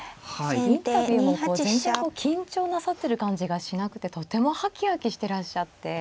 インタビューもこう全然緊張なさってる感じがしなくてとてもハキハキしてらっしゃって。